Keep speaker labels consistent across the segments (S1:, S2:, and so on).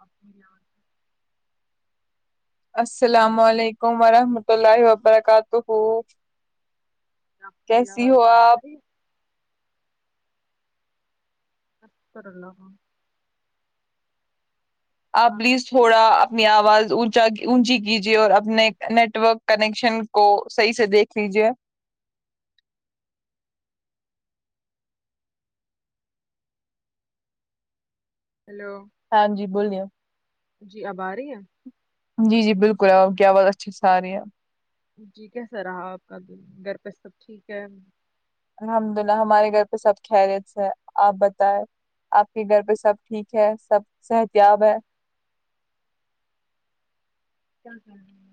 S1: آپ مج
S2: السلام علیکم ورحمۃ اللہ وبرکاتہ
S1: رکھ
S2: کیسی
S1: ملاوااز
S2: ہو
S1: صاف
S2: آپ
S1: ساری [inaudible] [unintelligible]
S2: آ
S1: آپ
S2: بلیز
S1: کیا
S2: تھوڑا اپنی آواز اونچا اونچی کیجیے اور اپنے نیٹورک کنیکشن کو صحیح سے دیکھ لیجیے
S1: ہیلو
S2: ہاں جی بوولے
S1: جی اب آ رہی ہے
S2: جی جی بالکل کیا آواز ٹھیک سے ارہی ہیں
S1: جی کیسا رہا آپ کا دن گھر پہ سب ٹھیک ہے
S2: الحمد للہ ہمارے گھر پہ سب خریت سے ہے آپ بتائے آپ کے گھر پہ سب ٹھیک ہے سب صحت یاب ہے
S1: ہا ہا ہا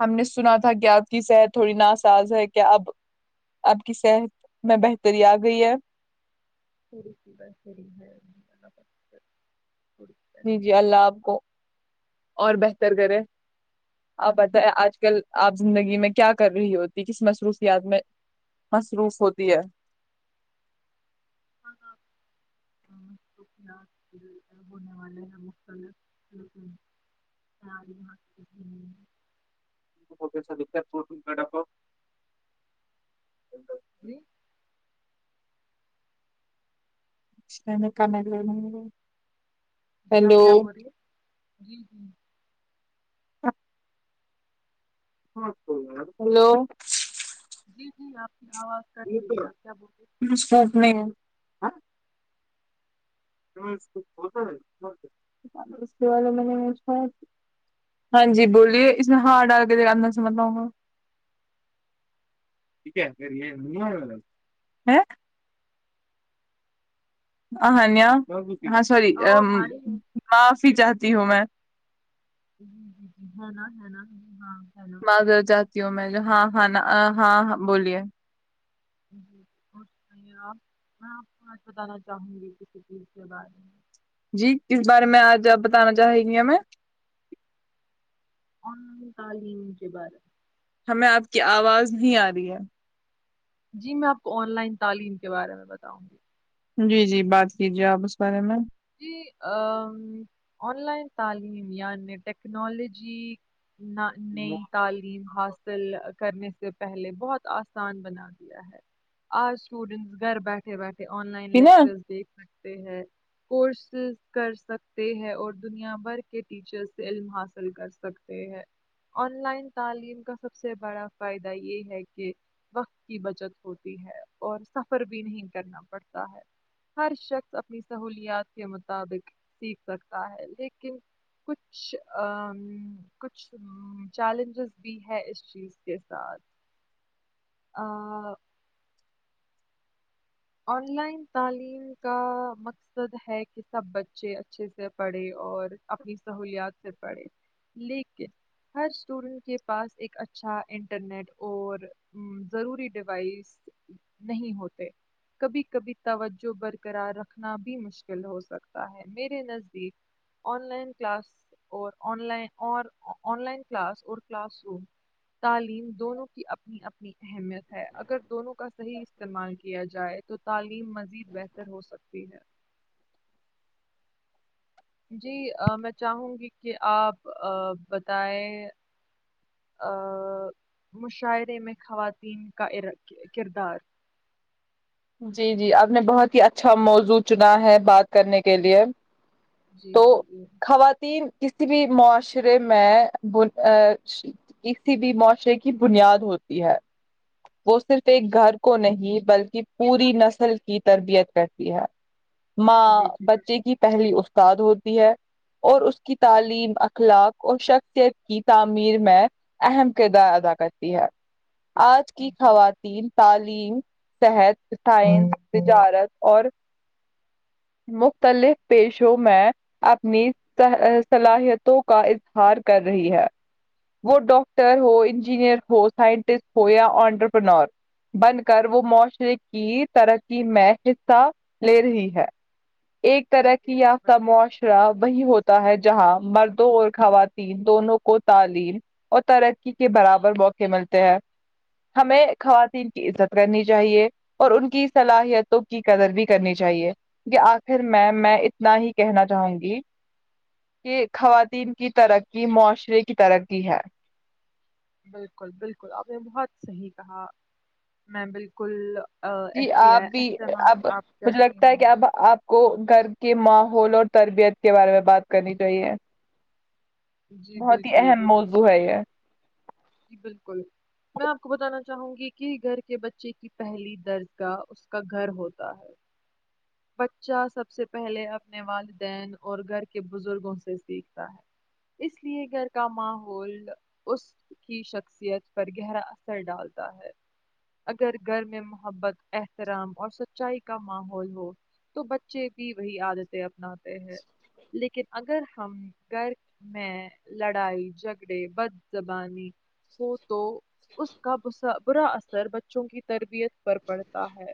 S2: ہم نے سنا تھا کیا آپ کی صحت تھوڑی ناساز ہے کہ اب آپ کی صحت میں بہتری آ گئی ہے
S1: پڑتیا سری پ [unintelligible]
S2: جی جی اللہ آپ کو اور بہتر کرے آپ
S1: ہم
S2: بتیں آج کل آپ زندگی میں کیا کر رہی ہوتی کس مصروفیات میں مصروف ہوتی ہے
S1: کھانا ہونے والے مختلف [inaudible] ساری مہا
S2: [unintelligible]
S1: ہاں
S2: نے کرنے
S1: جی آپ کیا بول رہی ہیں جی جی
S2: ہیلو
S1: جی جی آپ کی آواز کٹ رہی ہے آپ کیا بول رہے
S2: میں اس کے والے میں نے سنا ہاں جی بولیے اس نے ہار ڈال کے آنا سمھتا وہاں ٹھیک ہے کر انیا ہاں سوری
S1: ہے؟ او بھائی جی
S2: معافی چاہتی ہوں میں
S1: جی جی جی ہے نا ہے مری
S2: اگر جاتیوں میں جہا ہنا آ ہاں بولیے
S1: جی اور یے آپ ہاں آپ کو آج بتانا چاہوں گی کسی چیز کے بارے میں
S2: جی کس بارے میں آج بتانا چاہے گی میں
S1: آن تعلیم کے بارے میں
S2: ہمیں آپ کی آواز نہیں آ رہی ہے
S1: جی میں آپ کو آن لائن تعلیم کے بارے میں بتاؤں گی
S2: جی جی بات کیجیے آپ اس بارے میں
S1: جی آن لائن تعلیم یعنی ٹیکنالوجی نہ نئی تعلیم حاصل کرنے سے پہلے بہت آسان بنا دیا ہے آج اسٹوڈینٹس گھر بیٹھے بیٹھے آن لائن
S2: پینا
S1: لیکچر دیکھ سکتے ہیں کورسز کر سکتے ہیں اور دنیا بھر کے ٹیچر سے علم حاصل کر سکتے ہے آن لائن تعلیم کا سب سے یے بڑا فائدہ ہے کہ وقت کی بچت ہوتی ہے اور سفر بھی نہیں کرنا پڑتا ہے ہر شخص اپنی سہولیات کے مطابق سیکھ سکتا ہے لیکن کچھ کچھ چیلنجز بھی ہے اس چیز کے ساتھ آ آن لائن تعلیم کا مقصد ہے کی سب بچے اچھے سے پڑھے اور اپنی سہولیات سے پڑھے لیکن ہر اسٹوڈینٹ کے پاس ایک اچھا انٹرنیٹ اور ضروری ڈیوائس نہیں ہوتے کبھی کبھی توجو برقرار رکھنا بھی مشکل ہو سکتا ہے میرے نزدیک آن لائن کلاس اور آن لائ اور آن لائن کلاس اور کلاس روم تعلیم دونوں کی اپنی اپنی اہمیت ہے اگر دونوں کا صحیح استعمال کیا جائے تو تعلیم مزید بہتر ہو سکتی ہے جی آ میں چاہوں گی کہ آپ آ بتائے آ مشاعرے میں خواتین کا ایرا کردار
S2: جی جی آپ نے بہت ہی اچھا موضوع چنا ہے بات کرنے کے لیے
S1: جی جی جی
S2: تین کستی بی معاشرے میں بول آ کسی بھی معاشرے کی بنیاد ہوتی ہے وہ صرف ایک گھر کو نہیں بلکی پوری نسل کی تربیت کرتی ہے ماں
S1: جی جی
S2: بچے کی پہلی استاد ہوتی ہے اور اس کی تعلیم اخلاق اور شخصیت کی تعمیر میں اہم کردار ادا کرتی ہے آج کی
S1: بالکل- جی جی
S2: خوات تین تعلیم صحت سائنس تجارت اور مختلف پیش شو جو میں اپنی صہے آ صلاحیتوں کا اظہار کر رہی ہے وہ ڈاکٹر ہو انجینئر ہو سائنٹسٹ ہو یا آنٹرپنور بن کر وہ معاشرے کی ترقی میں حصہ لے رہی ہے ایک طرح کی
S1: بالکل۔
S2: یافتہ معاشرہ وہی ہوت تا ہے جہاں مردوں اور خواتین دونوں کو تعلیم اور ترقی کے برابر موقع ملتے ہیں ہمیں خواتین کی عزت کرنی چاہیے اور ان کی صلاحیتوں کی قدر بھی کرنی چاہیے کی کی آخر میں میں اتنا ہی کہنا چاہوں گی کہ خواتین کی ترکی معاشرے کی ترکی ہے
S1: بالکل بالکل آپ نے بہت صحیح کہا میں بالکل آ،
S2: جی آپ
S1: احتیا
S2: بھی
S1: احتماد
S2: اب
S1: آپ
S2: مجھے
S1: کرتی
S2: لگتا ہے
S1: ہوں
S2: کہ اب آپ کو گھر کے ماحول اور تربیت کے بارے میں بات کرنی چاہیے
S1: جی
S2: بہت ہی
S1: بالکل
S2: اہم
S1: جی
S2: موضوع
S1: بالکل
S2: ہے یہ
S1: جی بالکل میں آپ کو بتانا چاہوں گی کہ گھر کے بچے کی پہلی درجگاہ اس کا گھر ہوتا ہے بچہ سب سے پہلے اپنے والدین اور گھر کے بزرگوں سے سیکھتا ہے اس لیے گھر کا ماحول اس کی شخصیت پر گہرا اثر ڈالتا ہے اگر گر میں محبت احترام اور سچائی کا ماحول ہو تو بچے بھی وہی عادتیں اپناتے ہیں لیکن اگر ہم گر میں لڑائی جھگڑے بد زبانی ہو تو اس کا بسا برا اثر چو کی تربیت پر پڑتا ہے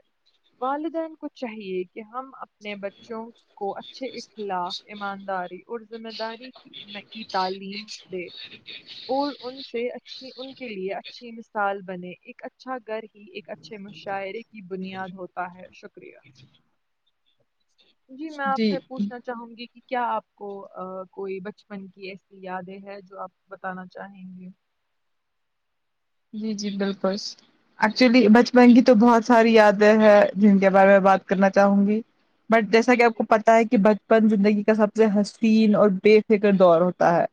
S1: والدین کو چاہیے کہ ہم اپنے بچوں کو اچھے اخلاق ایمانداری اور ذمہ داری کی تعلیم دے اور ان سے اچھی ان کے لیے اچھی مثال بنے ایک اچھا گھر ایک اچھے مشاعرے کی بنیاد ہوتا ہے شکریہ جی میں آپ سے پوچھنا چاہوں گی کہ کیا آپ کو کوئی بچپن کی ایسی یادیں ہے جو آپ بتانا چاہیں گے
S2: جی جی بالکل ایک چولی بچپن کی تو بہت ساری یادیں ہیں جن کے بارے میں بات کرنا چاہوں گی بٹ جیسا کہ آپ
S1: جی
S2: کو پتا ہے ہے کہ بچپن زندگی کا سب سے حسین اور بے فکر دور ہوتا ہے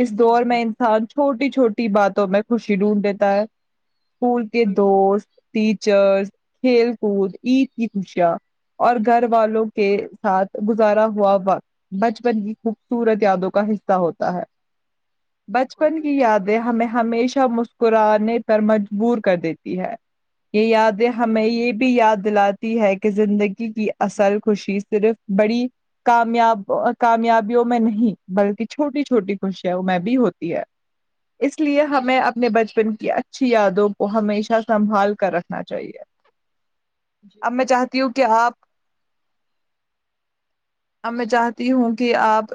S2: اس دور
S1: جی
S2: میں انسان چھوٹی چھوٹی باتوں میں خوشی ڈھونڈ دیتا ہے اسکول کے
S1: بالکل
S2: دوست ٹیچرس کھیل کود عید کی خوشیاں اور گھر والوں کے ساتھ گزارا ہوا وقت بچپن کی خوبصورت یادوں کا حصہ ہوتا ہے
S1: بالکل
S2: بچپن کی
S1: بالکل
S2: یادیں ہمیں ہمیشہ مسک کرآے پر مجبور کر دیتی ہے یہ یادیں ہمیں یہ بھی یاد دلاتی ہے کہ زندگی کی اصل خوشی صرف بڑی کامیاب کامیابیوں میں نہیں بلکہ چھوٹی چھوٹی خوشیوں میں بھی ہوتی ہے اس لیے
S1: جی
S2: ہمیں اب اپنے بچپن کی اچھی یادوں کو ہمیشہ سنبھال کر رکھنا چاہیے
S1: جی
S2: اب میں
S1: بالکل
S2: چاہتی ہوں کہ آپ اب میں چاہتی ہوں کہ آپ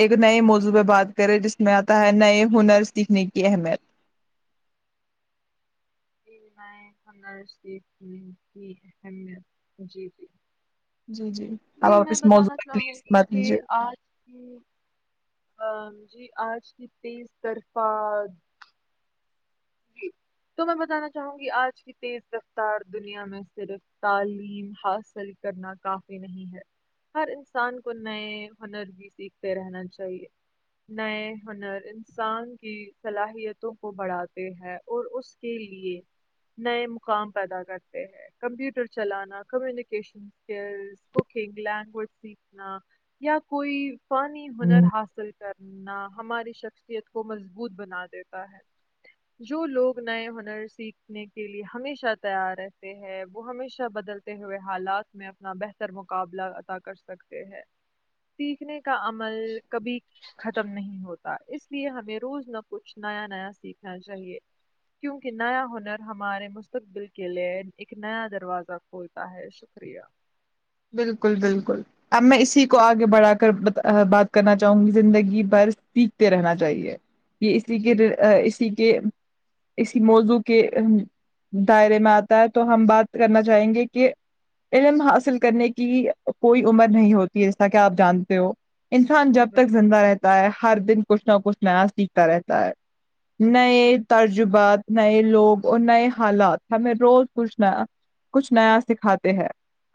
S2: ایک نئے موضوعہ بات کرے جس میں آتا ہے نئے ہنر سیکھنے کی اہمیت
S1: نئ ہنر کی اہمیت جی جی
S2: جی جی
S1: جی
S2: اب آپ
S1: میں
S2: اس موضوع
S1: بتانا
S2: پہ
S1: چاہوں
S2: پلیز
S1: گی
S2: بات
S1: کہ
S2: کیجیے
S1: آج کی ہ جی آج کی تیز طرفہ جی تو میں بتانا چاہوں گی آج کی تیز رفتار دنیا میں صرف تعلیم حاصل کرنا کافی نہیں ہے ہر انسان کو نئے ہنر بھی سیکھتے رہنا چاہیے نئے ہنر انسان کی صلاحیتوں کو بڑھ تے ہیں اور اس کے لیے نئے مقام پیدا کرتے ہیں کمپیوٹر چلانا کمیونیکیشن اسکلس کوکنگ لینگویج سیکھنا یا کوئی پانی ہنر
S2: ہوں
S1: حاصل کرنا ہماری شخصیت کو مضبوط بنا دیتا ہے جو لوگ نئے ہنر سیکھنے کے لیے ہمیشہ تیار رہتے ہے وہ ہمیشہ بدل ہوئے حالات میں اپنا بہتر مقابلہ ادا کر سکتے ہیں سیکھنے کا عمل کبھی ختم نہیں ہوتا اس لیے ہمیں روز نہ کچھ نیا نیا سیکھنا چاہیے کیونکہ نیا ہنر ہمارے مستقبل کے لیے ایک نیا دروازہ کھولتا ہے شکریہ
S2: بالکل بالکل اب میں اسی کو آگے بڑھا کر بات کرنا چاہوں گی زندگی بھر سیکھتے رہنا چاہیے یہ اسی کے
S1: جی
S2: اسی کے اسی موضوع کے دائرے میں آتا ہے تو ہم بات کرنا چاہیں گے کہ علم حاصل کرنے کی کوئی عمر نہیں ہوتی جیسا کہ آپ جانتے ہو انسان
S1: جی
S2: جب
S1: بال
S2: تک زندہ رہ تا ہے ہر دن کچھ نہ کچھ نیا سیکھتا رہتا ہے نئے ترجوبات نئے لوگ اور نئے حالات ہمیں روز پوچھنا کچھ نیا سکھاتے ہیں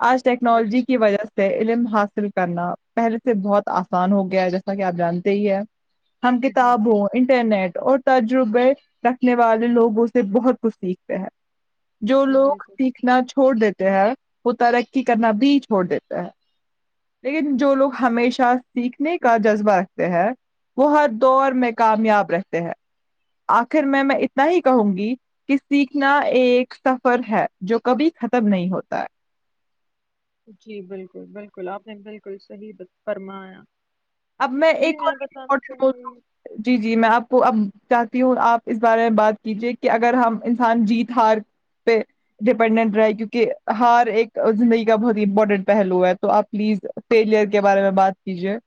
S2: آج
S1: بال
S2: ٹیکنالوجی کی وجہ سے سے علم حاصل کرنا پہلے سے بہت آسان ہو گیا ہے جیسا کہ آپ جانتے ہی ہیں ہم
S1: جی
S2: کتاب
S1: جی
S2: ہو انٹرنیٹ اور تجربے رکھنے والے لوگ اس سے بہت کچھ سیکھتے ہیں جو
S1: جی
S2: لوگ
S1: بالکل
S2: سیکھنا چھوڑ دیتے ہیں وہ ترقی کرنا بھی چھوڑ دیتے ہیں لیکن جو لوگ ہمیشہ سیکھنے کا جذبہ رکھتے ہیں وہ ہر دور میں کامیاب رہتے ہیں آخر میں میں اتنا ہی کہوں گی کہ سیکھنا ایک سفر ہے جو کبھی ختم نہیں ہوتا ہے
S1: جی بالکل بالکل آپ نے بالکل صحیح فرمایا
S2: اب میں
S1: جی
S2: ایک اور
S1: بتانا
S2: بتا
S1: چاہوں گی
S2: ہوں جی جی میں آپ کو اب چاہتی ہوں آپ اس بارے میں بات کیجیے کہ اگر ہم انسان جیت ہار پہ ڈیپینڈنٹ رہا کیونکہ ہار ایک زندگی کا بہت ہی امپورٹنٹ پہلو ہے تو آپ پلیز فیلئر کے بارے میں بات کیجیے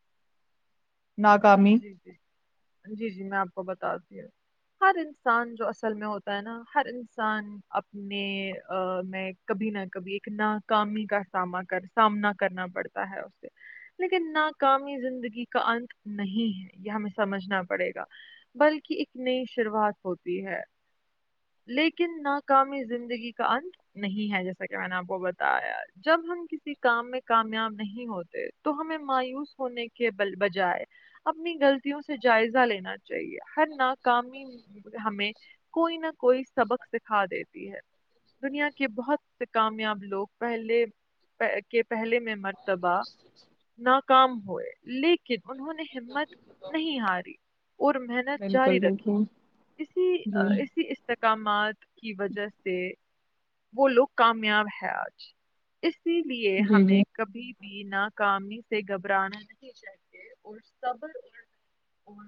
S2: ناکامی
S1: جی جی جی جی میں آپ کو بتاتی ہوں ہر انسان جو اصل میں ہوتا ہے نا ہر انسان اپنےاو میں کبھی نہ کبھی ایک ناکامی کا سامنا کر سامنا کرنا پڑتا ہے اس سے لیکن ناکامی زندگی کا انت نہیں ہے یہ ہمیں سمجھنا پڑے گا بلکہ ایک نئی شروعات ہوتی ہے لیکن ناکامی زندگی کا انت نہیں ہے جیسا کہ میں نے آپ کو بتایا جب ہم کسی کام میں کامیاب نہیں ہوتے تو ہمیں مایوس ہونے کے بجائے اپنی غلطیوں سے جائزہ لینا چاہیے ہر ناکامی ہمیں کوئی نہ کوئی سبق سکھا دیتی ہے دنیا کے بہت سے کامیاب لوگ پہلے کے پہلے میں مرتبہ ناکام ہوئے لیکن انہوں نے ہمت نہیں ہاری اور مح نت جاری
S2: بالکل
S1: رکھی
S2: بالکل
S1: اسی
S2: جی
S1: اسی استحکامات کی وجہ سے وہ لوگ کامیاب ہے آج اسی لیے
S2: جی جی
S1: ہمیں کبھی بھی ناکامی سے گھبرانا نہیں چاہتے اور صبر اور اور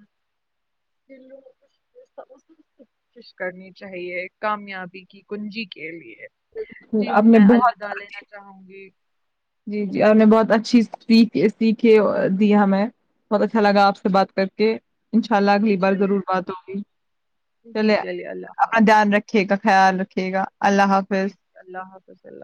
S1: جن لوگوں کو کوشش کرنی چاہیے کامیابی کی کنجی کے لیے جی
S2: آپ
S1: ہماں
S2: نے
S1: میں
S2: بہت
S1: الودوداع لینا چاہوں گی
S2: جی جی آپ نے بہت اچھی س سیکھے دی ہمیں بہت اچھا لگا آپ سے بات کر کے انشاء اللہ
S1: جی
S2: اگلی بار
S1: چلے
S2: ضرور بات ہوگی
S1: جی
S2: چلے
S1: چلیے اللہ
S2: اپنا
S1: حافظ
S2: دھیان رکھ رکھے گا خیال رکھے گا اللہ حافظ
S1: جی اللہ حافظ ال